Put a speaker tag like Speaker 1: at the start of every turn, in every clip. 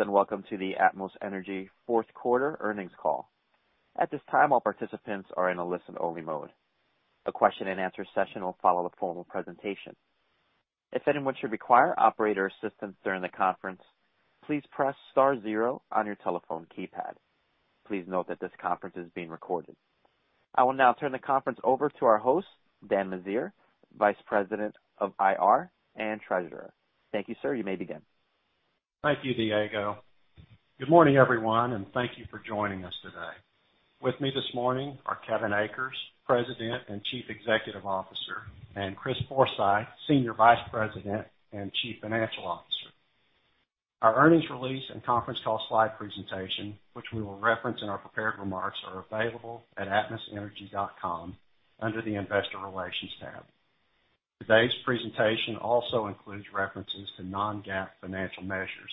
Speaker 1: Greetings, welcome to the Atmos Energy Q4 earnings call. At this time, all participants are in a listen-only mode. A question and answer session will follow the formal presentation. If anyone should require operator assistance during the conference, please press star zero on your telephone keypad. Please note that this conference is being recorded. I will now turn the conference over to our host, Dan Meziere, Vice President of IR and Treasurer. Thank you, sir. You may begin.
Speaker 2: Thank you, Diego. Good morning, everyone, thank you for joining us today. With me this morning are Kevin Akers, President and Chief Executive Officer, and Chris Forsythe, Senior Vice President and Chief Financial Officer. Our earnings release and conference call slide presentation, which we will reference in our prepared remarks, are available at atmosenergy.com under the Investor Relations tab. Today's presentation also includes references to non-GAAP financial measures.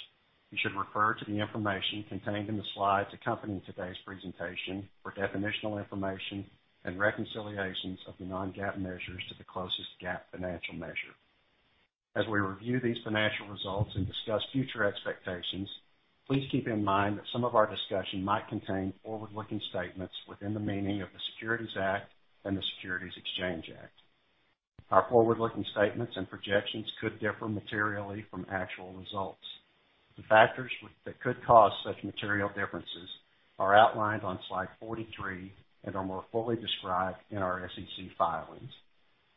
Speaker 2: You should refer to the information contained in the slides accompanying today's presentation for definitional information and reconciliations of the non-GAAP measures to the closest GAAP financial measure. As we review these financial results and discuss future expectations, please keep in mind that some of our discussion might contain forward-looking statements within the meaning of the Securities Act and the Securities Exchange Act. Our forward-looking statements and projections could differ materially from actual results. The factors that could cause such material differences are outlined on slide 43 and are more fully described in our SEC filings.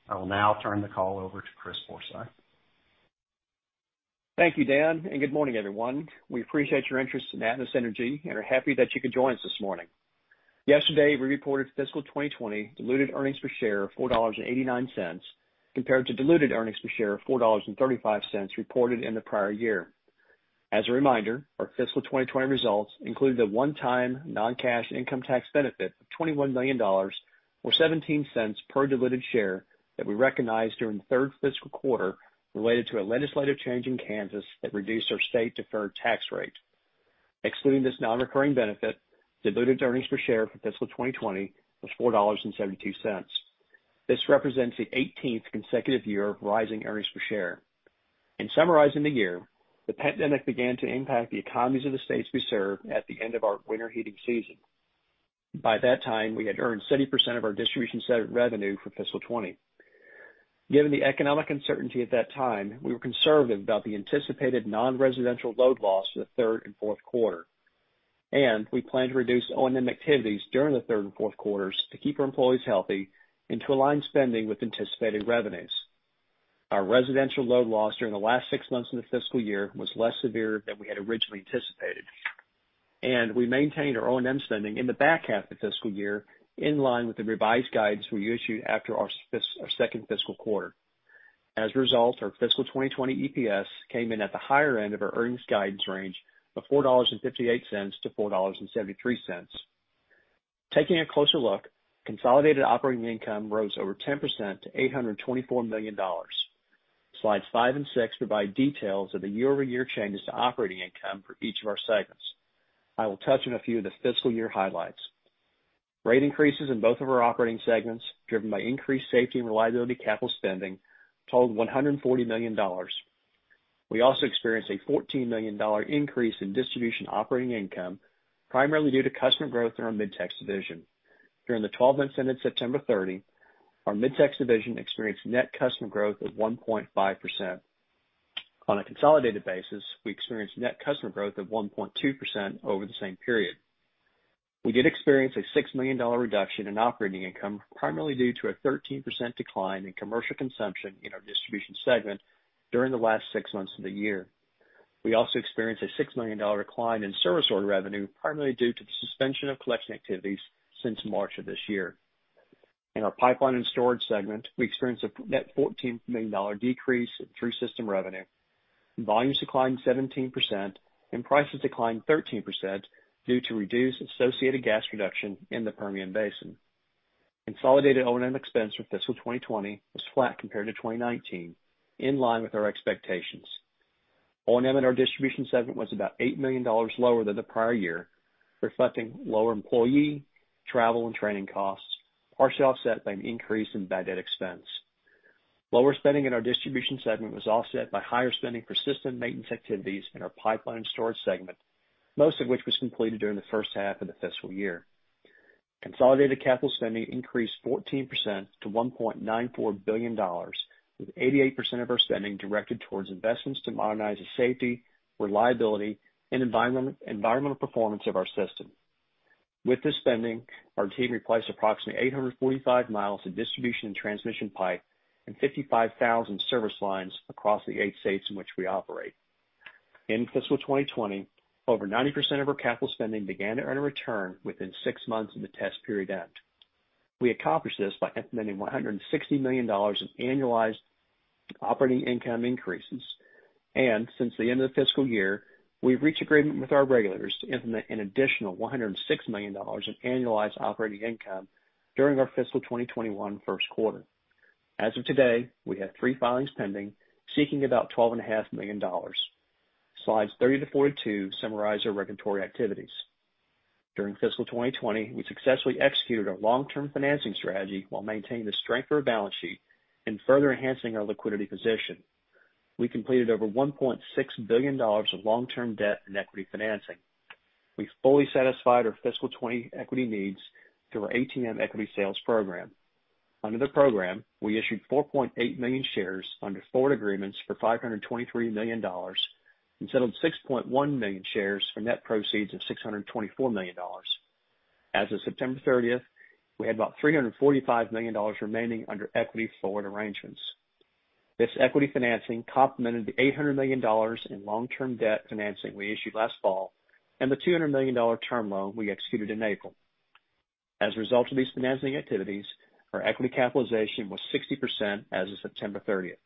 Speaker 2: I will now turn the call over to Chris Forsythe.
Speaker 3: Thank you, Dan. Good morning, everyone. We appreciate your interest in Atmos Energy and are happy that you could join us this morning. Yesterday, we reported fiscal 2020 diluted earnings per share of $4.89, compared to diluted earnings per share of $4.35 reported in the prior year. As a reminder, our fiscal 2020 results included a one-time non-cash income tax benefit of $21 million, or $0.17 per diluted share that we recognized during the third fiscal quarter related to a legislative change in Kansas that reduced our state-deferred tax rate. Excluding this non-recurring benefit, diluted earnings per share for fiscal 2020 was $4.72. This represents the 18th consecutive year of rising earnings per share. In summarizing the year, the pandemic began to impact the economies of the states we serve at the end of our winter heating season. By that time, we had earned 70% of our distribution revenue for fiscal 2020. Given the economic uncertainty at that time, we were conservative about the anticipated non-residential load loss for the third and Q4, and we planned to reduce O&M activities during the Q3 and Q4 to keep our employees healthy and to align spending with anticipated revenues. Our residential load loss during the last six months of the fiscal year was less severe than we had originally anticipated, and we maintained our O&M spending in the back half of the fiscal year in line with the revised guidance we issued after our second fiscal quarter. As a result, our fiscal 2020 EPS came in at the higher end of our earnings guidance range of $4.58-$4.73. Taking a closer look, consolidated operating income rose over 10% to $824 million. Slides five and six provide details of the year-over-year changes to operating income for each of our segments. I will touch on a few of the fiscal year highlights. Rate increases in both of our operating segments, driven by increased safety and reliability capital spending, totaled $140 million. We also experienced a $14 million increase in distribution operating income, primarily due to customer growth in our Mid-Tex Division. During the 12 months ended September 30, our Mid-Tex Division experienced net customer growth of 1.5%. On a consolidated basis, we experienced net customer growth of 1.2% over the same period. We did experience a $6 million reduction in operating income, primarily due to a 13% decline in commercial consumption in our distribution segment during the last six months of the year. We also experienced a $6 million decline in service order revenue, primarily due to the suspension of collection activities since March of this year. In our pipeline and storage segment, we experienced a net $14 million decrease in through system revenue. Volumes declined 17% and prices declined 13% due to reduced associated gas production in the Permian Basin. Consolidated O&M expense for fiscal 2020 was flat compared to 2019, in line with our expectations. O&M in our distribution segment was about $8 million lower than the prior year, reflecting lower employee, travel, and training costs, partially offset by an increase in bad debt expense. Lower spending in our distribution segment was offset by higher spending for system maintenance activities in our pipeline storage segment, most of which was completed during the H1 of the fiscal year. Consolidated capital spending increased 14% to $1.94 billion, with 88% of our spending directed towards investments to modernize the safety, reliability, and environmental performance of our system. With this spending, our team replaced approximately 845 miles of distribution and transmission pipe and 55,000 service lines across the eight states in which we operate. In fiscal 2020, over 90% of our capital spending began to earn a return within six months of the test period end. We accomplished this by implementing $160 million in annualized operating income increases, and since the end of the fiscal year, we've reached agreement with our regulators to implement an additional $106 million in annualized operating income during our fiscal 2021 Q1. As of today, we have three filings pending, seeking about $12.5 million. Slides 30-42 summarize our regulatory activities. During fiscal 2020, we successfully executed our long-term financing strategy while maintaining the strength of our balance sheet and further enhancing our liquidity position. We completed over $1.6 billion of long-term debt and equity financing. We fully satisfied our fiscal 2020 equity needs through our ATM equity sales program. Under the program, we issued 4.8 million shares under forward agreements for $523 million and settled 6.1 million shares for net proceeds of $624 million. As of September 30th, we had about $345 million remaining under equity forward arrangements. This equity financing complemented the $800 million in long-term debt financing we issued last fall and the $200 million term loan we executed in April. As a result of these financing activities, our equity capitalization was 60% as of September 30th.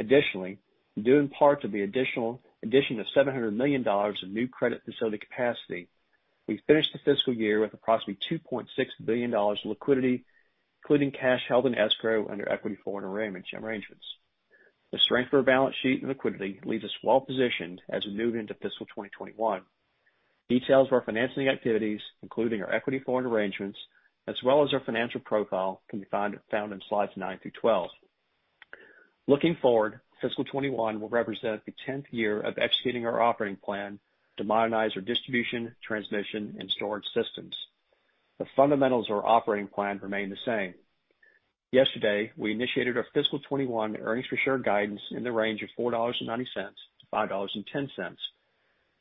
Speaker 3: Additionally, due in part to the addition of $700 million of new credit facility capacity, we finished the fiscal year with approximately $2.6 billion of liquidity, including cash held in escrow under equity forward arrangements. The strength of our balance sheet and liquidity leaves us well-positioned as we move into fiscal 2021. Details of our financing activities, including our equity forward arrangements, as well as our financial profile, can be found in slides nine through 12. Looking forward, fiscal 2021 will represent the 10th year of executing our operating plan to modernize our distribution, transmission, and storage systems. The fundamentals of our operating plan remain the same. Yesterday, we initiated our fiscal 2021 earnings per share guidance in the range of $4.90-$5.10.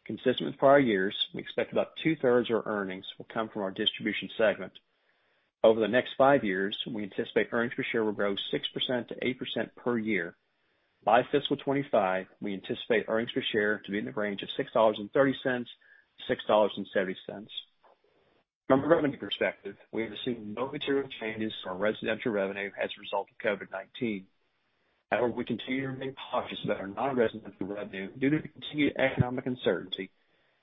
Speaker 3: Consistent with prior years, we expect about two-thirds of our earnings will come from our distribution segment. Over the next five years, we anticipate earnings per share will grow 6%-8% per year. By fiscal 2025, we anticipate earnings per share to be in the range of $6.30-$6.70. From a revenue perspective, we have seen no material changes to our residential revenue as a result of COVID-19. However, we continue to remain cautious about our non-residential revenue due to the continued economic uncertainty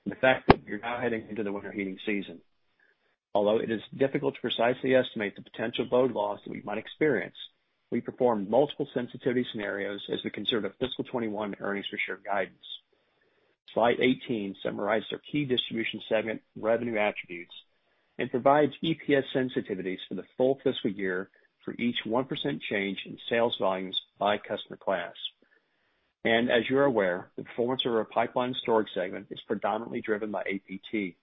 Speaker 3: and the fact that we are now heading into the winter heating season. Although it is difficult to precisely estimate the potential load loss that we might experience, we performed multiple sensitivity scenarios as we considered our fiscal 2021 earnings per share guidance. Slide 18 summarizes our key distribution segment revenue attributes and provides EPS sensitivities for the full fiscal year for each 1% change in sales volumes by customer class. As you're aware, the performance of our pipeline storage segment is predominantly driven by APT.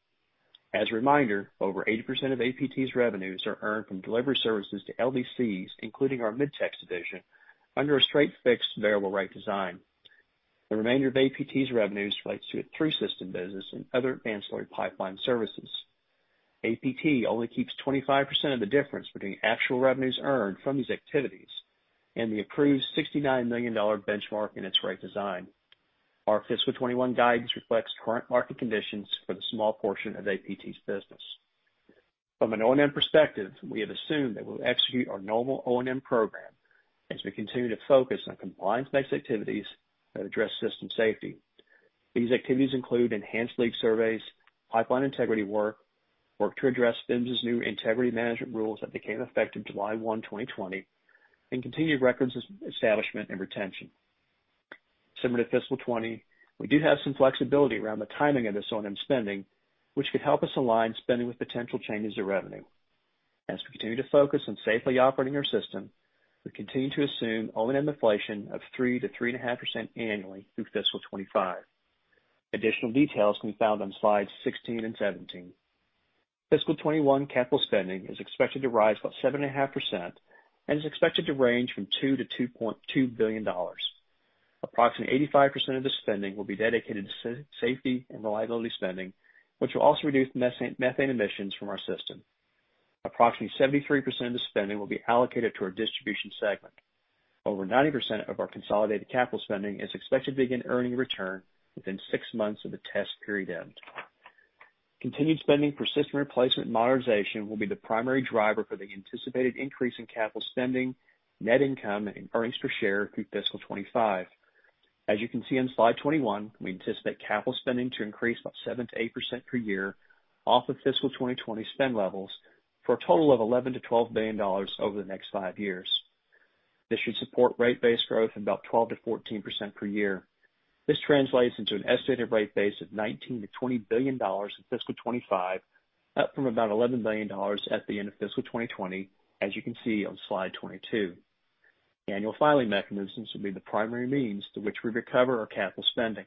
Speaker 3: As a reminder, over 80% of APT's revenues are earned from delivery services to LDCs, including our Mid-Tex Division, under a straight fixed variable rate design. The remainder of APT's revenues relates to its through-system business and other ancillary pipeline services. APT only keeps 25% of the difference between actual revenues earned from these activities and the approved $69 million benchmark in its rate design. Our fiscal 2021 guidance reflects current market conditions for the small portion of APT's business. From an O&M perspective, we have assumed that we'll execute our normal O&M program as we continue to focus on compliance-based activities that address system safety. These activities include enhanced leak surveys, pipeline integrity work to address PHMSA's new integrity management rules that became effective July 1, 2020, and continued records establishment and retention. Similar to fiscal 2020, we do have some flexibility around the timing of this O&M spending, which could help us align spending with potential changes of revenue. As we continue to focus on safely operating our system, we continue to assume O&M inflation of 3%-3.5% annually through fiscal 2025. Additional details can be found on slides 16 and 17. Fiscal 2021 capital spending is expected to rise about 7.5% and is expected to range from $2 billion-$2.2 billion. Approximately 85% of the spending will be dedicated to safety and reliability spending, which will also reduce methane emissions from our system. Approximately 73% of the spending will be allocated to our distribution segment. Over 90% of our consolidated capital spending is expected to begin earning a return within six months of the test period end. Continued spending for system replacement modernization will be the primary driver for the anticipated increase in capital spending, net income, and earnings per share through fiscal 2025. As you can see on slide 21, we anticipate capital spending to increase about 7%-8% per year off of fiscal 2020 spend levels, for a total of $11 billion-$12 billion over the next five years. This should support rate base growth of about 12%-14% per year. This translates into an estimated rate base of $19 billion-$20 billion in fiscal 2025, up from about $11 billion at the end of fiscal 2020, as you can see on slide 22. Annual filing mechanisms will be the primary means through which we recover our capital spending.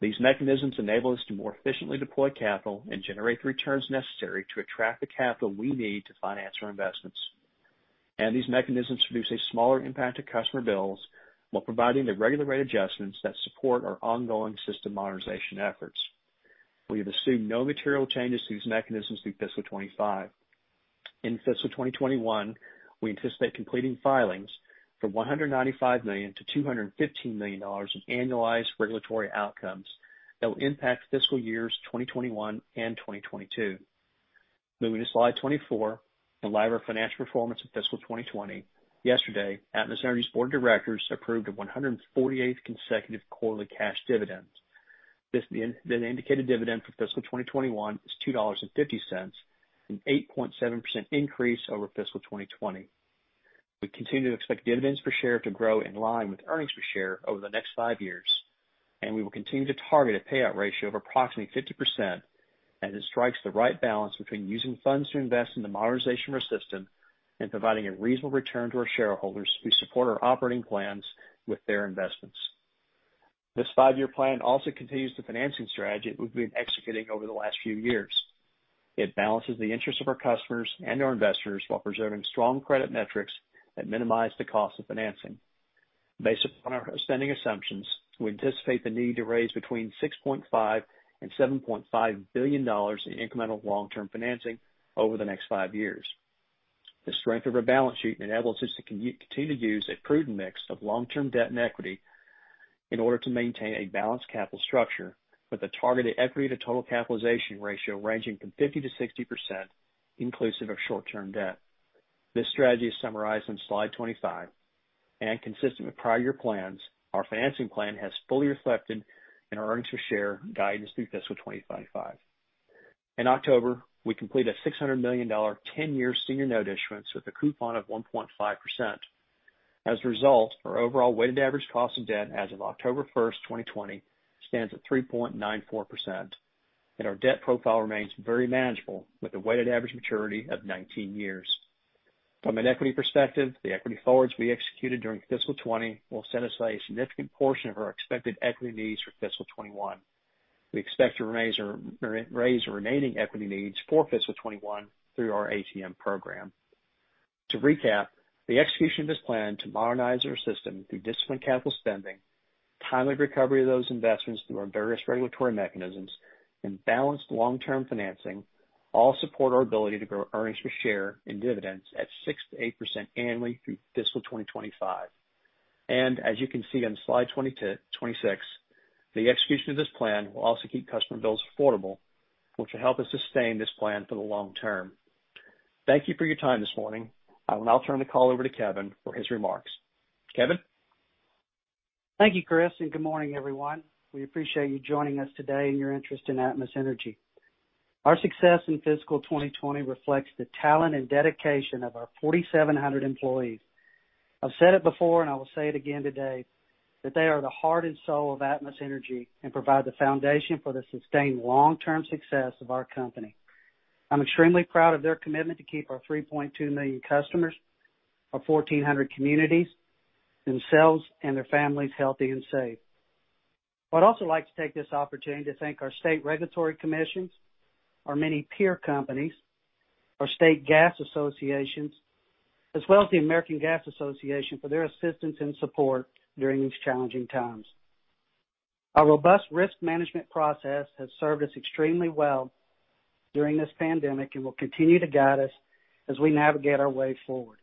Speaker 3: These mechanisms enable us to more efficiently deploy capital and generate the returns necessary to attract the capital we need to finance our investments. These mechanisms produce a smaller impact to customer bills while providing the regular rate adjustments that support our ongoing system modernization efforts. We have assumed no material changes to these mechanisms through fiscal 2025. In fiscal 2021, we anticipate completing filings for $195 million-$215 million of annualized regulatory outcomes that will impact fiscal years 2021 and 2022. Moving to slide 24, in light of our financial performance in fiscal 2020, yesterday, Atmos Energy's board of directors approved a 148th consecutive quarterly cash dividend. The indicated dividend for fiscal 2021 is $2.50, an 8.7% increase over fiscal 2020. We continue to expect dividends per share to grow in line with earnings per share over the next five years, and we will continue to target a payout ratio of approximately 50%, as it strikes the right balance between using funds to invest in the modernization of our system and providing a reasonable return to our shareholders who support our operating plans with their investments. This five-year plan also continues the financing strategy we've been executing over the last few years. It balances the interests of our customers and our investors while preserving strong credit metrics that minimize the cost of financing. Based upon our spending assumptions, we anticipate the need to raise between $6.5 billion and $7.5 billion in incremental long-term financing over the next five years. The strength of our balance sheet enables us to continue to use a prudent mix of long-term debt and equity in order to maintain a balanced capital structure with a targeted equity to total capitalization ratio ranging from 50%-60%, inclusive of short-term debt. This strategy is summarized on slide 25, and consistent with prior year plans, our financing plan has fully reflected in our earnings per share guidance through fiscal 2025. In October, we completed a $600 million 10-year senior note issuance with a coupon of 1.5%. As a result, our overall weighted average cost of debt as of October 1st, 2020, stands at 3.94%, and our debt profile remains very manageable, with a weighted average maturity of 19 years. From an equity perspective, the equity forwards we executed during fiscal 2020 will set aside a significant portion of our expected equity needs for fiscal 2021. We expect to raise the remaining equity needs for fiscal 2021 through our ATM program. To recap, the execution of this plan to modernize our system through disciplined capital spending, timely recovery of those investments through our various regulatory mechanisms, and balanced long-term financing all support our ability to grow earnings per share and dividends at 6%-8% annually through fiscal 2025. As you can see on slide 26, the execution of this plan will also keep customer bills affordable, which will help us sustain this plan for the long term. Thank you for your time this morning. I will now turn the call over to Kevin for his remarks. Kevin?
Speaker 4: Thank you, Chris, and good morning, everyone. We appreciate you joining us today and your interest in Atmos Energy. Our success in fiscal 2020 reflects the talent and dedication of our 4,700 employees. I've said it before, and I will say it again today, that they are the heart and soul of Atmos Energy and provide the foundation for the sustained long-term success of our company. I'm extremely proud of their commitment to keep our 3.2 million customers, our 1,400 communities, themselves, and their families healthy and safe. I'd also like to take this opportunity to thank our state regulatory commissions, our many peer companies, our state gas associations, as well as the American Gas Association for their assistance and support during these challenging times. Our robust risk management process has served us extremely well during this pandemic and will continue to guide us as we navigate our way forward.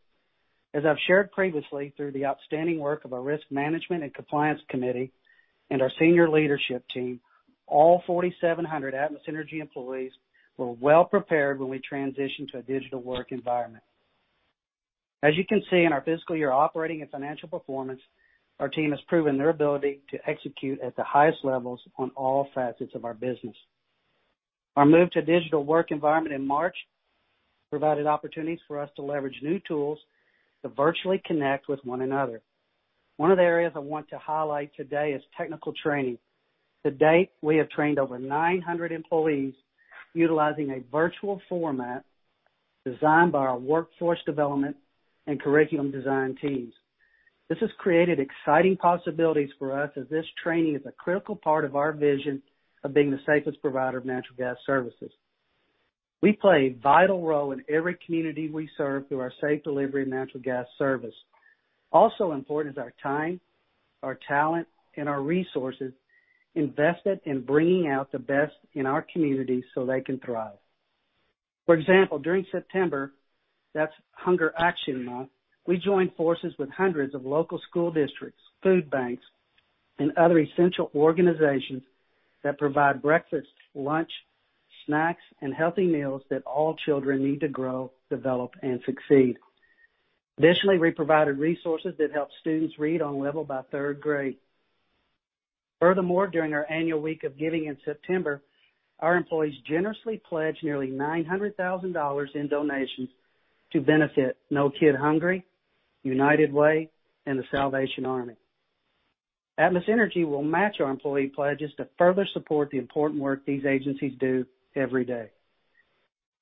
Speaker 4: As I've shared previously, through the outstanding work of our risk management and compliance committee and our senior leadership team, all 4,700 Atmos Energy employees were well-prepared when we transitioned to a digital work environment. As you can see in our fiscal year operating and financial performance, our team has proven their ability to execute at the highest levels on all facets of our business. Our move to a digital work environment in March provided opportunities for us to leverage new tools to virtually connect with one another. One of the areas I want to highlight today is technical training. To date, we have trained over 900 employees utilizing a virtual format designed by our workforce development and curriculum design teams. This has created exciting possibilities for us as this training is a critical part of our vision of being the safest provider of natural gas services. We play a vital role in every community we serve through our safe delivery of natural gas service. Also important is our time, our talent, and our resources invested in bringing out the best in our communities so they can thrive. For example, during September, that's Hunger Action Month, we joined forces with hundreds of local school districts, food banks, and other essential organizations that provide breakfast, lunch, snacks, and healthy meals that all children need to grow, develop, and succeed. Additionally, we provided resources that helped students read on level by third grade. Furthermore, during our annual week of giving in September, our employees generously pledged nearly $900,000 in donations to benefit No Kid Hungry, United Way, and The Salvation Army. Atmos Energy will match our employee pledges to further support the important work these agencies do every day.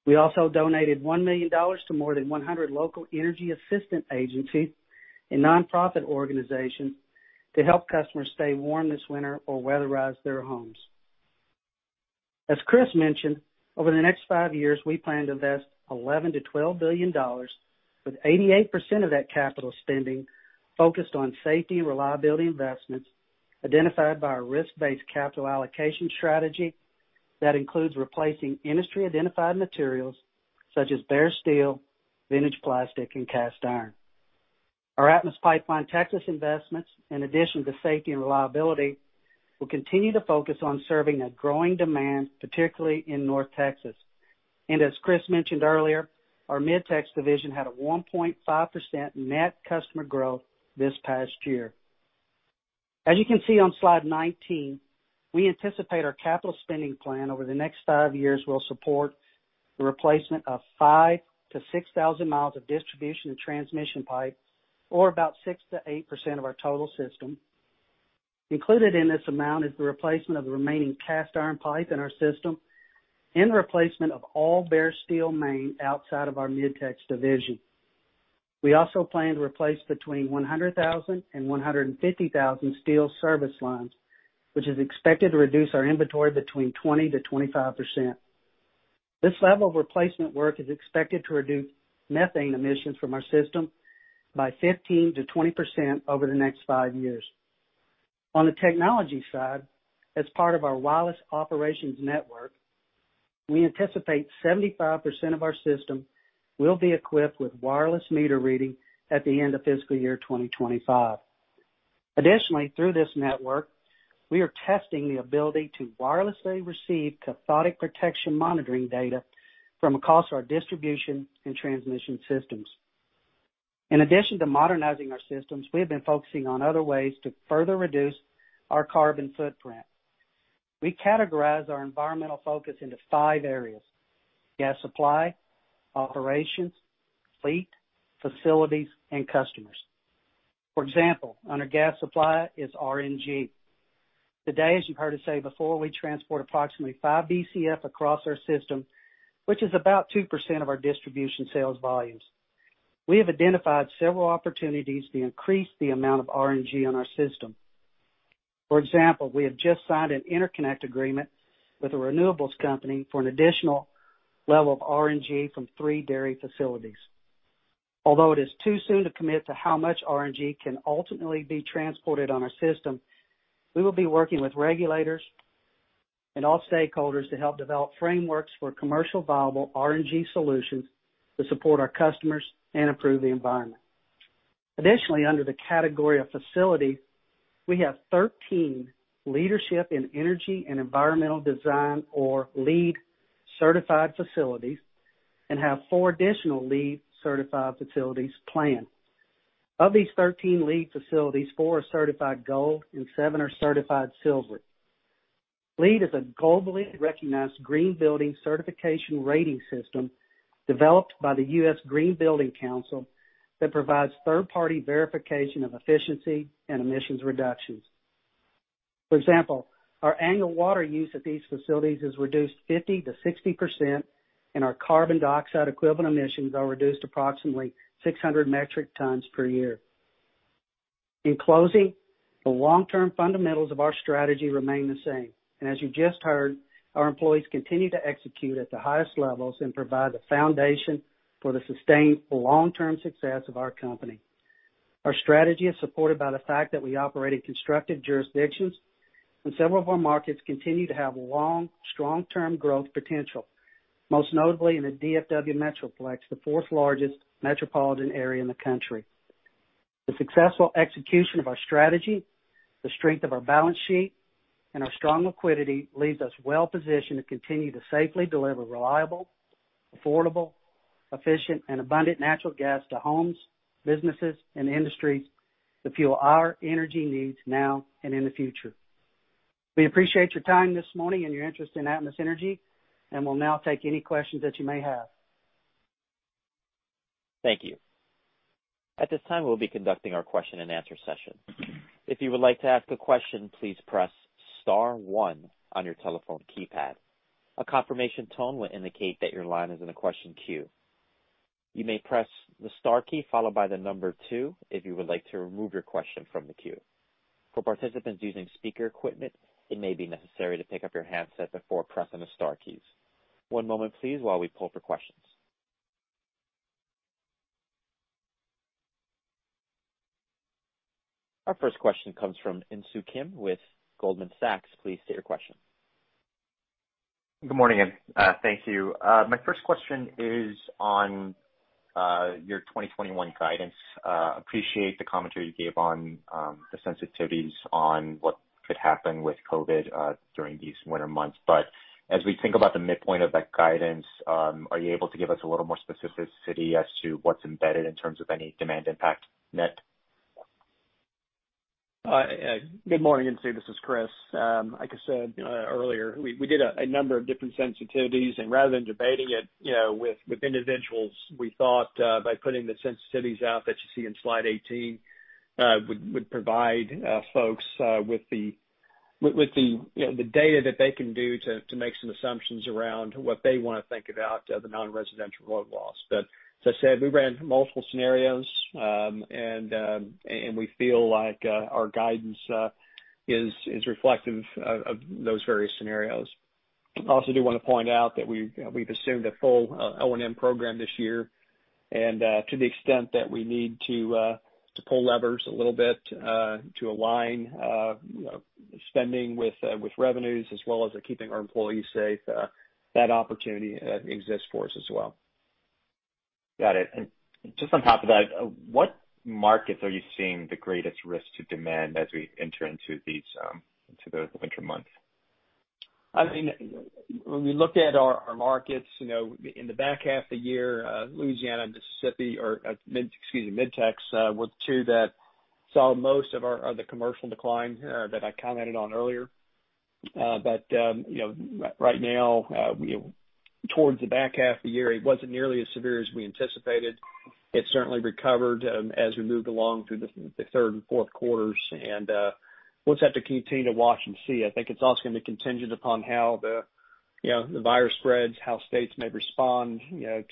Speaker 4: We also donated $1 million to more than 100 local energy assistant agencies and nonprofit organizations to help customers stay warm this winter or weatherize their homes. As Chris mentioned, over the next five years, we plan to invest $11 billion-$12 billion, with 88% of that capital spending focused on safety and reliability investments identified by our risk-based capital allocation strategy that includes replacing industry-identified materials such as bare steel, vintage plastic, and cast iron. Our Atmos Pipeline-Texas investments, in addition to safety and reliability, will continue to focus on serving a growing demand, particularly in North Texas. As Chris mentioned earlier, our Mid-Tex Division had a 1.5% net customer growth this past year. As you can see on slide 19, we anticipate our capital spending plan over the next five years will support the replacement of 5,000-6,000 miles of distribution and transmission pipe, or about 6%-8% of our total system. Included in this amount is the replacement of the remaining cast iron pipe in our system and replacement of all bare steel main outside of our Mid-Tex Division. We also plan to replace between 100,000 and 150,000 steel service lines, which is expected to reduce our inventory between 20%-25%. This level of replacement work is expected to reduce methane emissions from our system by 15%-20% over the next five years. On the technology side, as part of our wireless operations network, we anticipate 75% of our system will be equipped with wireless meter reading at the end of fiscal year 2025. Additionally, through this network, we are testing the ability to wirelessly receive cathodic protection monitoring data from across our distribution and transmission systems. In addition to modernizing our systems, we have been focusing on other ways to further reduce our carbon footprint. We categorize our environmental focus into five areas: gas supply, operations, fleet, facilities, and customers. For example, under gas supply is RNG. Today, as you've heard us say before, we transport approximately 5 BCF across our system, which is about 2% of our distribution sales volumes. We have identified several opportunities to increase the amount of RNG on our system. For example, we have just signed an interconnect agreement with a renewables company for an additional level of RNG from three dairy facilities. Although it is too soon to commit to how much RNG can ultimately be transported on our system, we will be working with regulators and all stakeholders to help develop frameworks for commercial viable RNG solutions to support our customers and improve the environment. Additionally, under the category of facilities, we have 13 Leadership in Energy and Environmental Design, or LEED, certified facilities and have four additional LEED certified facilities planned. Of these 13 LEED facilities, four are certified gold and seven are certified silver. LEED is a globally recognized green building certification rating system developed by the U.S. Green Building Council that provides third-party verification of efficiency and emissions reductions. For example, our annual water use at these facilities is reduced 50%-60%, and our carbon dioxide equivalent emissions are reduced approximately 600 metric tons per year. As you just heard, our employees continue to execute at the highest levels and provide the foundation for the sustained long-term success of our company. Our strategy is supported by the fact that we operate in constructive jurisdictions, and several of our markets continue to have long, strong term growth potential, most notably in the DFW Metroplex, the fourth largest metropolitan area in the country. The successful execution of our strategy, the strength of our balance sheet, and our strong liquidity leaves us well-positioned to continue to safely deliver reliable, affordable, efficient, and abundant natural gas to homes, businesses, and industries to fuel our energy needs now and in the future. We appreciate your time this morning and your interest in Atmos Energy, and we'll now take any questions that you may have.
Speaker 1: Thank you. At this time, we'll be conducting our question and answer session. If you would like to ask a question, please press star one on your telephone keypad. A confirmation tone will indicate that your line is in the question queue. You may press star key followed by the number two if you would like to remove your question from the queue. For participants using speaker equipment, you may be required to pick up your handset before pressing the star keys. One moment please while we pick the questions. Our first question comes from Insoo Kim with Goldman Sachs. Please state your question.
Speaker 5: Good morning, and thank you. My first question is on your 2021 guidance. Appreciate the commentary you gave on the sensitivities on what could happen with COVID during these winter months. As we think about the midpoint of that guidance, are you able to give us a little more specificity as to what's embedded in terms of any demand impact net?
Speaker 3: Good morning, Insoo. This is Chris. Like I said earlier, we did a number of different sensitivities, and rather than debating it with individuals, we thought by putting the sensitivities out that you see in slide 18 would provide folks with the data that they can do to make some assumptions around what they want to think about the non-residential load loss. As I said, we ran multiple scenarios, and we feel like our guidance is reflective of those various scenarios. I also do want to point out that we've assumed a full O&M program this year, and to the extent that we need to pull levers a little bit to align spending with revenues as well as keeping our employees safe, that opportunity exists for us as well.
Speaker 5: Got it. Just on top of that, what markets are you seeing the greatest risk to demand as we enter into the winter months?
Speaker 3: I mean, when we looked at our markets in the back half of the year, Louisiana, Mississippi or, excuse me, Mid-Tex were two that saw most of the commercial decline that I commented on earlier. Right now, towards the back half of the year, it wasn't nearly as severe as we anticipated. It certainly recovered as we moved along through the Q3 and Q4. We'll just have to continue to watch and see. I think it's also going to be contingent upon how the virus spreads, how states may respond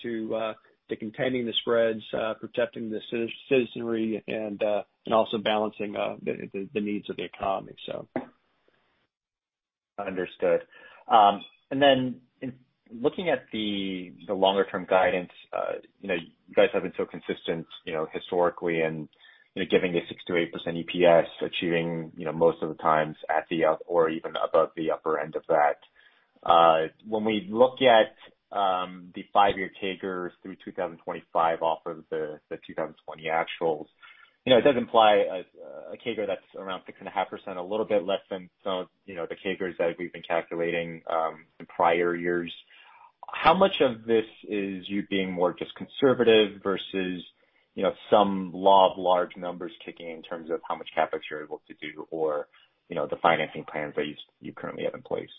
Speaker 3: to containing the spreads, protecting the citizenry and also balancing the needs of the economy.
Speaker 5: Understood. In looking at the longer term guidance, you guys have been so consistent historically and giving a 6%-8% EPS achieving most of the times at the or even above the upper end of that. When we look at the five-year CAGRs through 2025 off of the 2020 actuals, it does imply a CAGR that's around 6.5%, a little bit less than the CAGRs that we've been calculating in prior years. How much of this is you being more just conservative versus some law of large numbers kicking in terms of how much CapEx you're able to do or the financing plans that you currently have in place?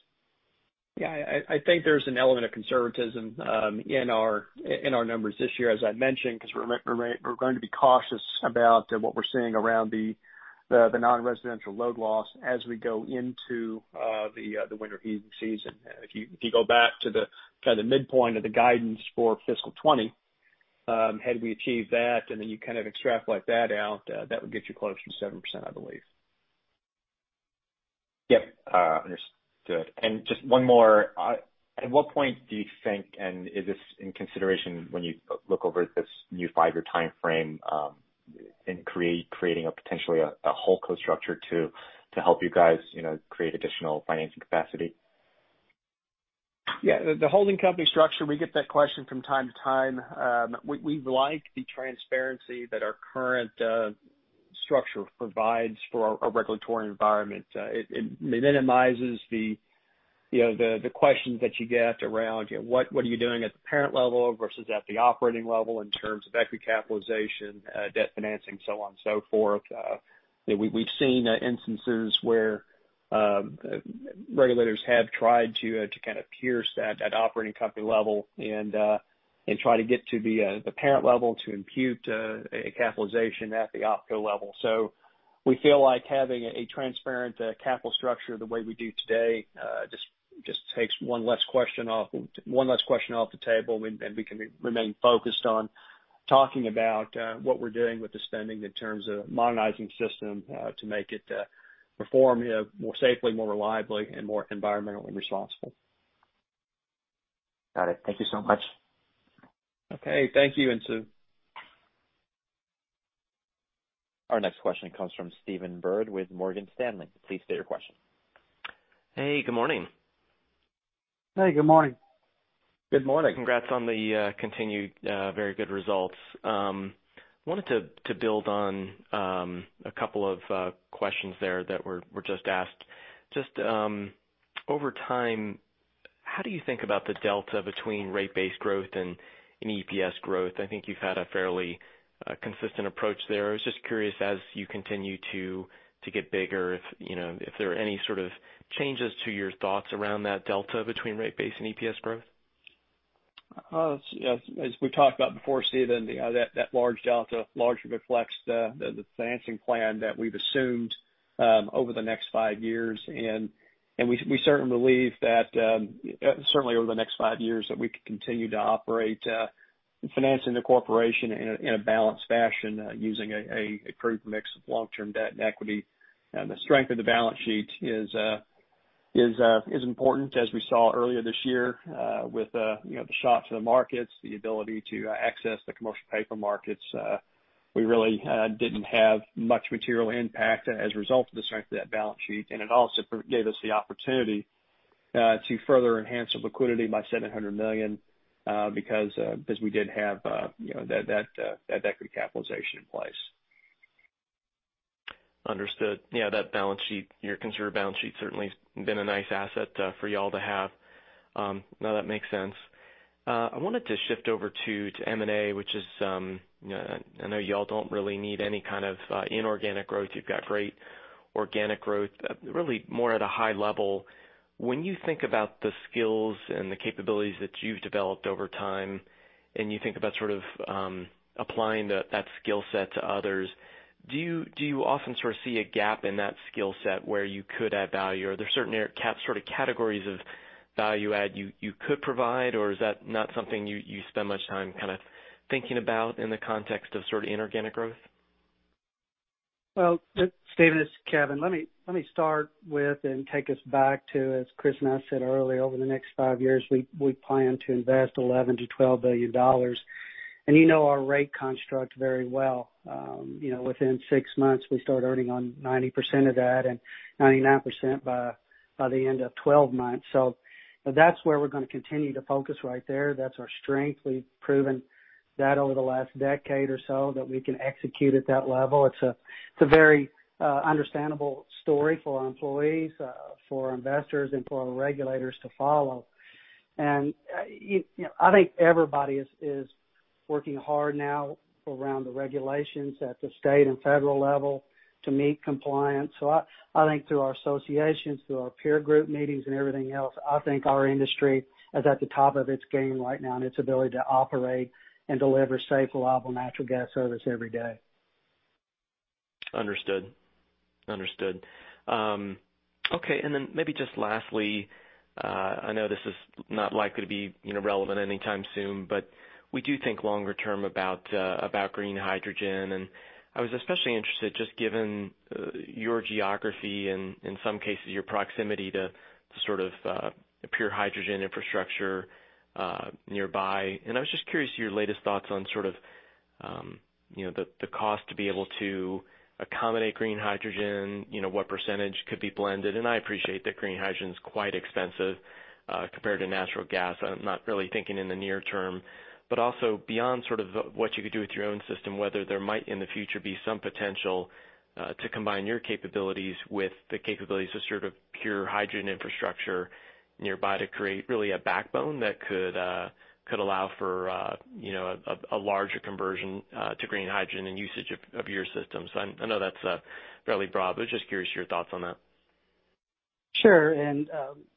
Speaker 3: Yeah. I think there's an element of conservatism in our numbers this year, as I mentioned, because we're going to be cautious about what we're seeing around the non-residential load loss as we go into the winter heating season. If you go back to the midpoint of the guidance for fiscal 2020, had we achieved that, and then you kind of extrapolate that out, that would get you close to 7%, I believe.
Speaker 5: Yep. Understood. Just one more. At what point do you think, and is this in consideration when you look over this new five-year timeframe, in creating a potentially a holdco structure to help you guys create additional financing capacity?
Speaker 3: Yeah. The holding company structure, we get that question from time to time. We like the transparency that our current structure provides for our regulatory environment. It minimizes the questions that you get around what are you doing at the parent level versus at the operating level in terms of equity capitalization, debt financing, so on and so forth. We've seen instances where regulators have tried to kind of pierce that at operating company level and try to get to the parent level to impute a capitalization at the opco level. We feel like having a transparent capital structure the way we do today just takes one less question off the table, and we can remain focused on talking about what we're doing with the spending in terms of modernizing system to make it perform more safely, more reliably and more environmentally responsible.
Speaker 5: Got it. Thank you so much.
Speaker 3: Okay. Thank you, Insoo.
Speaker 1: Our next question comes from Stephen Byrd with Morgan Stanley. Please state your question.
Speaker 6: Hey, good morning.
Speaker 4: Hey, good morning.
Speaker 3: Good morning.
Speaker 6: Congrats on the continued very good results. Wanted to build on a couple of questions there that were just asked. Just over time, how do you think about the delta between rate base growth and EPS growth? I think you've had a fairly consistent approach there. I was just curious, as you continue to get bigger, if there are any sort of changes to your thoughts around that delta between rate base and EPS growth?
Speaker 3: As we've talked about before, Stephen, that large delta largely reflects the financing plan that we've assumed over the next five years, and we certainly believe that, certainly over the next five years, that we can continue to operate, financing the corporation in a balanced fashion using a prudent mix of long-term debt and equity. The strength of the balance sheet is important, as we saw earlier this year with the shock to the markets, the ability to access the commercial paper markets. We really didn't have much material impact as a result of the strength of that balance sheet, and it also gave us the opportunity to further enhance the liquidity by $700 million because we did have that equity capitalization in place.
Speaker 6: Understood. Yeah, that balance sheet, your conservative balance sheet certainly has been a nice asset for you all to have. No, that makes sense. I wanted to shift over to M&A, which is, I know you all don't really need any kind of inorganic growth. You've got great organic growth. Really more at a high level, when you think about the skills and the capabilities that you've developed over time and you think about sort of applying that skill set to others, do you often sort of see a gap in that skill set where you could add value, or are there certain sort of categories of value add you could provide, or is that not something you spend much time kind of thinking about in the context of sort of inorganic growth?
Speaker 4: Well, Stephen, it's Kevin. Let me start with and take us back to, as Chris and I said earlier, over the next five years, we plan to invest $11 billion-$12 billion. You know our rate construct very well. Within six months, we start earning on 90% of that and 99% by the end of 12 months. That's where we're going to continue to focus right there. That's our strength. We've proven that over the last decade or so that we can execute at that level. It's a very understandable story for our employees, for our investors and for our regulators to follow. I think everybody is working hard now around the regulations at the state and federal level to meet compliance. I think through our associations, through our peer group meetings and everything else, I think our industry is at the top of its game right now in its ability to operate and deliver safe, reliable natural gas service every day.
Speaker 6: Understood. Okay, then maybe just lastly, I know this is not likely to be relevant anytime soon, we do think longer term about green hydrogen. I was especially interested, just given your geography and in some cases, your proximity to sort of a pure hydrogen infrastructure nearby. And I was just curious your latest thoughts on the cost to be able to accommodate green hydrogen, what percentage could be blended. I appreciate that green hydrogen is quite expensive compared to natural gas. I'm not really thinking in the near term, also beyond what you could do with your own system, whether there might, in the future, be some potential to combine your capabilities with the capabilities of pure hydrogen infrastructure nearby to create really a backbone that could allow for a larger conversion to green hydrogen and usage of your system. I know that's fairly broad, but just curious your thoughts on that.
Speaker 4: Sure.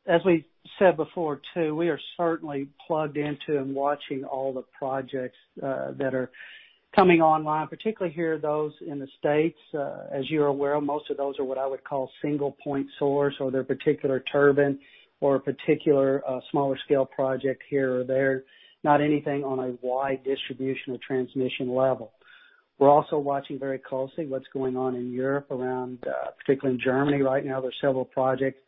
Speaker 4: As we said before, too, we are certainly plugged into and watching all the projects that are coming online, particularly here, those in the U.S. As you're aware, most of those are what I would call single point source or their particular turbine or a particular smaller scale project here or there, not anything on a wide distribution or transmission level. We're also watching very closely what's going on in Europe, around particularly in Germany right now. There's several projects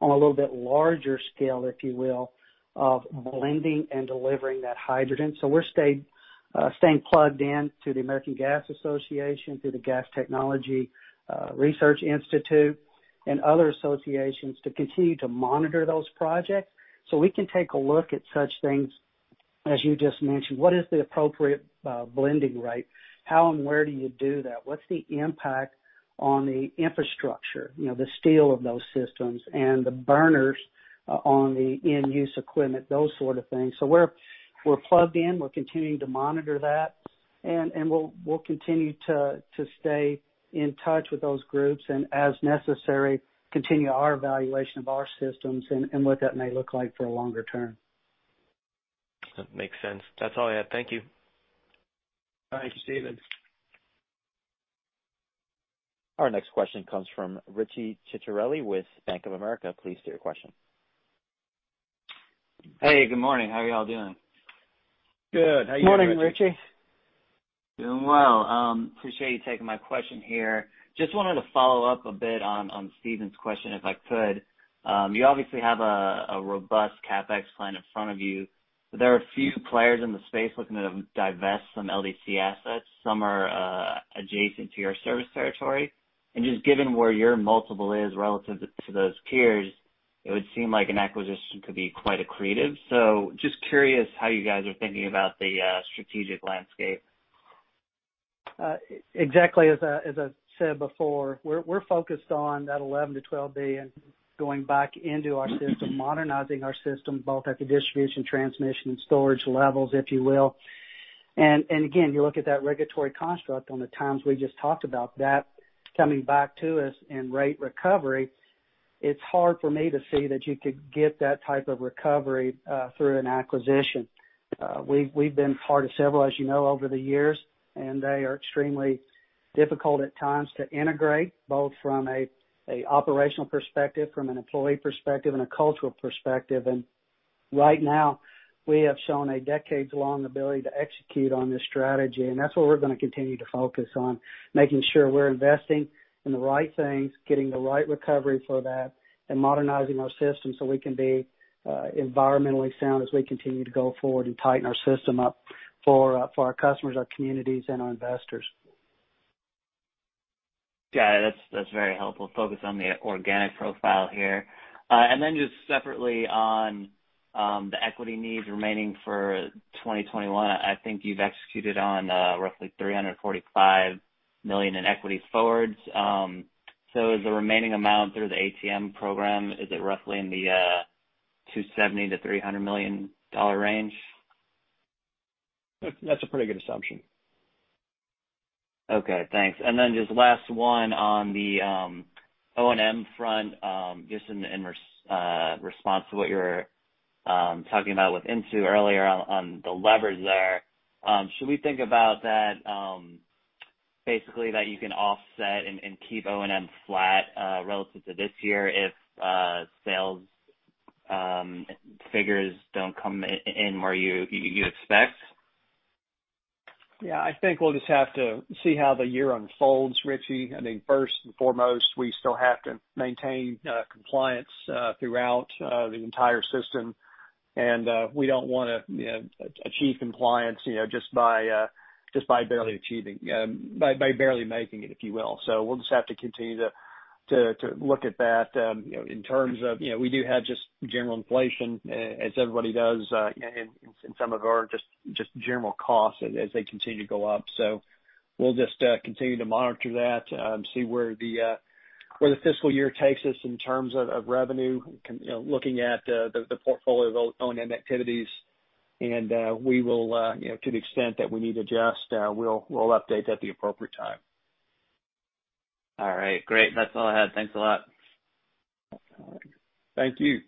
Speaker 4: on a little bit larger scale, if you will, of blending and delivering that hydrogen. We're staying plugged in to the American Gas Association, through the Gas Technology Institute, and other associations to continue to monitor those projects so we can take a look at such things as you just mentioned. What is the appropriate blending rate? How and where do you do that? What's the impact on the infrastructure, the steel of those systems and the burners on the end-use equipment, those sort of things. We're plugged in. We're continuing to monitor that, and we'll continue to stay in touch with those groups, and as necessary, continue our evaluation of our systems and what that may look like for a longer term.
Speaker 6: That makes sense. That's all I had. Thank you.
Speaker 4: Thank you, Stephen.
Speaker 1: Our next question comes from Richard Ciciarelli with Bank of America. Please state your question.
Speaker 7: Hey, good morning. How are you all doing?
Speaker 4: Good. How are you, Richie?
Speaker 3: Morning, Richie.
Speaker 7: Doing well. Appreciate you taking my question here. Just wanted to follow up a bit on Stephen's question, if I could. You obviously have a robust CapEx plan in front of you. There are a few players in the space looking to divest some LDC assets. Some are adjacent to your service territory. Just given where your multiple is relative to those peers, it would seem like an acquisition could be quite accretive. Just curious how you guys are thinking about the strategic landscape.
Speaker 4: Exactly as I said before, we're focused on that $11 billion-$12 billion going back into our system, modernizing our system both at the distribution, transmission, and storage levels, if you will. Again, you look at that regulatory construct on the times we just talked about that coming back to us in rate recovery, it's hard for me to see that you could get that type of recovery through an acquisition. We've been part of several, as you know, over the years, they are extremely difficult at times to integrate, both from an operational perspective, from an employee perspective, and a cultural perspective. Right now we have shown a decades-long ability to execute on this strategy, and that's what we're going to continue to focus on, making sure we're investing in the right things, getting the right recovery for that, and modernizing our system so we can be environmentally sound as we continue to go forward and tighten our system up for our customers, our communities, and our investors.
Speaker 7: Yeah, that's very helpful. Focus on the organic profile here. Just separately on the equity needs remaining for 2021. I think you've executed on roughly $345 million in equity forwards. Is the remaining amount through the ATM program, is it roughly in the $270 million-$300 million range?
Speaker 3: That's a pretty good assumption.
Speaker 7: Okay, thanks. Just last one on the O&M front, just in response to what you were talking about with Insoo earlier on the levers there. Should we think about that basically that you can offset and keep O&M flat relative to this year if sales figures don't come in where you expect?
Speaker 3: Yeah, I think we'll just have to see how the year unfolds, Richie. I think first and foremost, we still have to maintain compliance throughout the entire system. We don't want to achieve compliance just by barely making it, if you will. We'll just have to continue to look at that in terms of we do have just general inflation, as everybody does in some of our just general costs as they continue to go up. We'll just continue to monitor that. Where the fiscal year takes us in terms of revenue, looking at the portfolio of O&M activities, and to the extent that we need to adjust, we'll update at the appropriate time.
Speaker 7: All right, great. That's all I had. Thanks a lot.
Speaker 4: Thank you.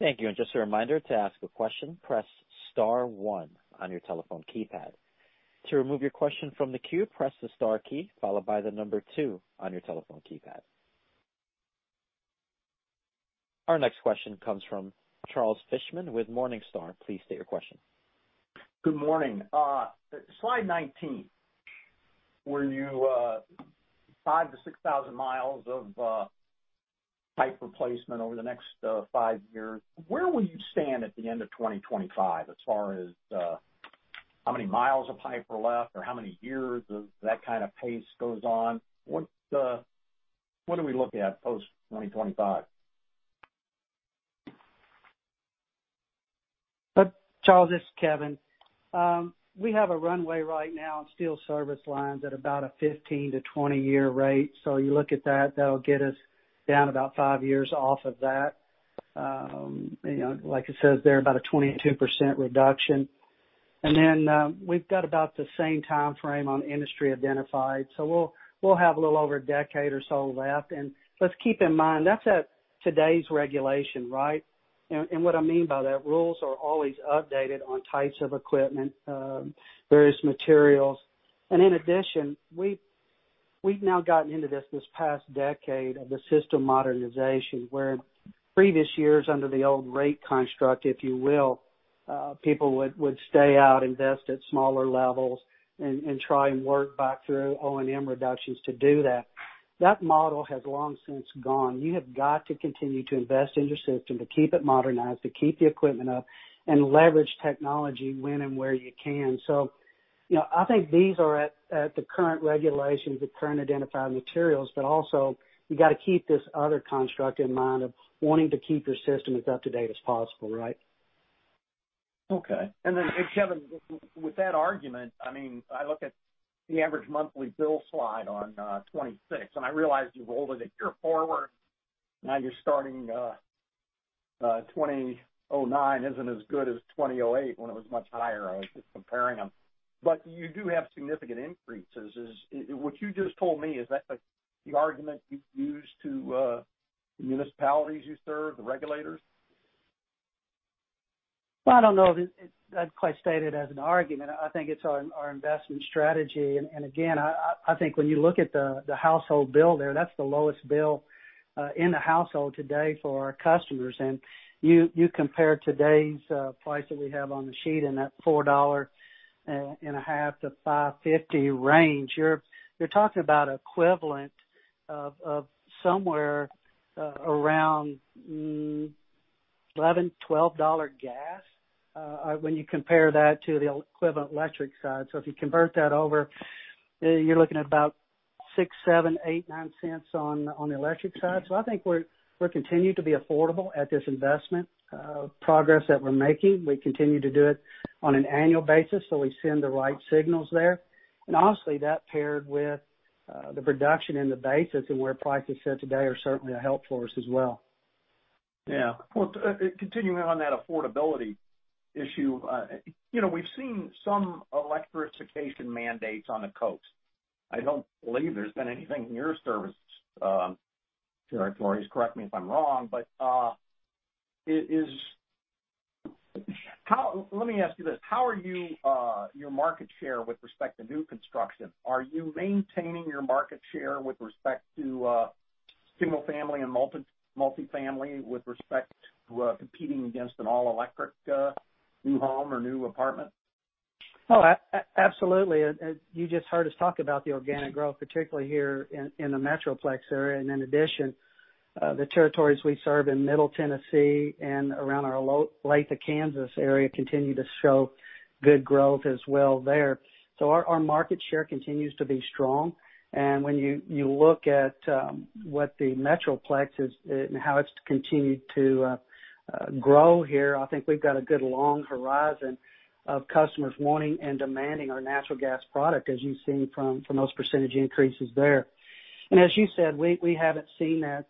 Speaker 1: Thank you. Just a reminder, to ask a question press star one on your telephone keypad. To remove your question from the queue, press star followed ny two on your telephone keypad. Our next question comes from Charles Fishman with Morningstar. Please state your question.
Speaker 8: Good morning. Slide 19, 5,000-6,000 miles of pipe replacement over the next five years. Where will you stand at the end of 2025 as far as how many miles of pipe are left or how many years of that kind of pace goes on? What do we look at post 2025?
Speaker 4: Charles, this is Kevin. We have a runway right now in steel service lines at about a 15-to-20-year rate. You look at that'll get us down about five years off of that. Like it says there, about a 22% reduction. We've got about the same timeframe on industry identified. We'll have a little over a decade or so left. Let's keep in mind, that's at today's regulation, right? What I mean by that, rules are always updated on types of equipment, various materials. In addition, we've now gotten into this past decade of the system modernization, where previous years under the old rate construct, if you will, people would stay out, invest at smaller levels and try and work back through O&M reductions to do that. That model has long since gone. You have got to continue to invest in your system to keep it modernized, to keep the equipment up and leverage technology when and where you can. I think these are at the current regulations with current identified materials, but also you got to keep this other construct in mind of wanting to keep your system as up-to-date as possible, right?
Speaker 8: Okay. Kevin, with that argument, I look at the average monthly bill slide on 26, and I realize you rolled it a year forward. Now you're starting, 2009 isn't as good as 2008 when it was much higher. I was just comparing them. You do have significant increases. What you just told me, is that the argument you use to the municipalities you serve, the regulators?
Speaker 4: Well, I don't know if I'd quite state it as an argument. I think it's our investment strategy. Again, I think when you look at the household bill there, that's the lowest bill in the household today for our customers. You compare today's price that we have on the sheet and that $4.50-$5.50 range, you're talking about equivalent of somewhere around, $11-$12 gas when you compare that to the equivalent electric side. If you convert that over, you're looking at about $0.06-$0.09 on the electric side. I think we're continued to be affordable at this investment progress that we're making. We continue to do it on an annual basis, so we send the right signals there. Honestly, that paired with the reduction in the basis and where prices sit today are certainly a help for us as well.
Speaker 8: Yeah. Well, continuing on that affordability issue. We've seen some electrification mandates on the coast. I don't believe there's been anything in your services territories, correct me if I'm wrong. Let me ask you this. How are your market share with respect to new construction? Are you maintaining your market share with respect to single-family and multi-family, with respect to competing against an all-electric new home or new apartment?
Speaker 4: Oh, absolutely. You just heard us talk about the organic growth, particularly here in the Metroplex area. In addition, the territories we serve in Middle Tennessee and around our Olathe, Kansas area continue to show good growth as well there. Our market share continues to be strong. When you look at what the Metroplex is and how it's continued to grow here, I think we've got a good long horizon of customers wanting and demanding our natural gas product, as you've seen from those percentage increases there. As you said, we haven't seen that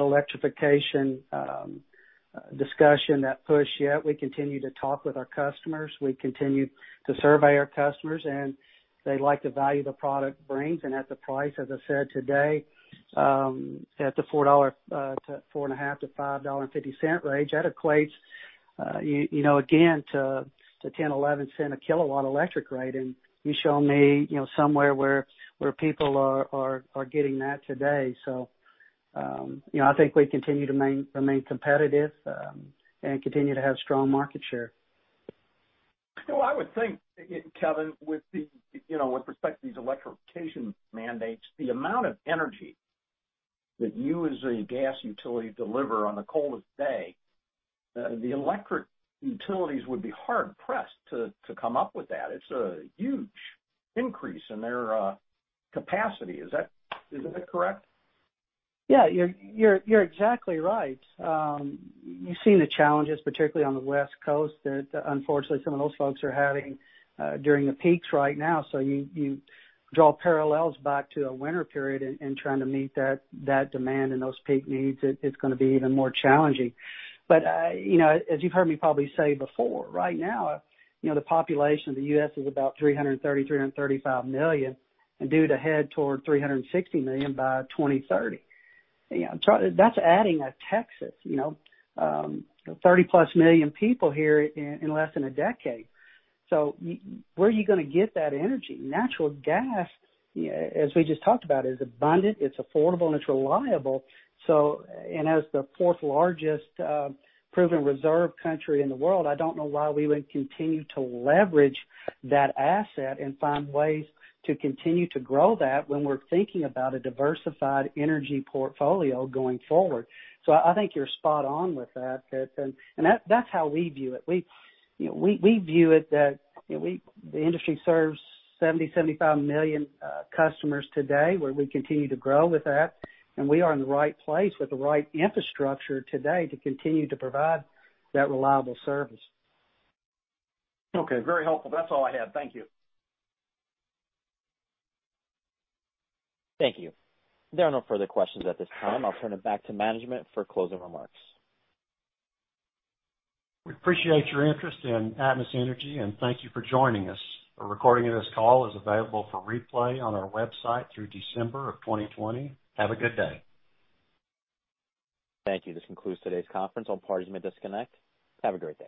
Speaker 4: electrification discussion, that push yet. We continue to talk with our customers. We continue to survey our customers, and they like the value the product brings and at the price, as I said today, at the $4.50-$5.50 range, that equates again, to $0.10, $0.11 a kilowatt electric rate. You show me somewhere where people are getting that today. I think we continue to remain competitive and continue to have strong market share.
Speaker 8: I would think, Kevin, with respect to these electrification mandates, the amount of energy that you as a gas utility deliver on the coldest day, the electric utilities would be hard-pressed to come up with that. It's a huge increase in their capacity. Isn't that correct?
Speaker 4: Yeah, you're exactly right. You've seen the challenges, particularly on the West Coast, that unfortunately, some of those folks are having during the peaks right now. You draw parallels back to a winter period and trying to meet that demand and those peak needs, it's going to be even more challenging. As you've heard me probably say before, right now the population of the U.S. is about 330, 335 million and due to head toward 360 million by 2030. That's adding a Texas, 30+ million people here in less than a decade. Where are you going to get that energy? Natural gas, as we just talked about, is abundant, it's affordable, and it's reliable. As the fourth largest proven reserve country in the world, I don't know why we wouldn't continue to leverage that asset and find ways to continue to grow that when we're thinking about a diversified energy portfolio going forward. I think you're spot on with that, and that's how we view it. We view it that the industry serves 70, 75 million customers today, where we continue to grow with that, and we are in the right place with the right infrastructure today to continue to provide that reliable service.
Speaker 8: Okay, very helpful. That's all I had. Thank you.
Speaker 1: Thank you. There are no further questions at this time. I'll turn it back to management for closing remarks.
Speaker 4: We appreciate your interest in Atmos Energy, and thank you for joining us. A recording of this call is available for replay on our website through December of 2020. Have a good day.
Speaker 1: Thank you. This concludes today's conference. All parties may disconnect. Have a great day.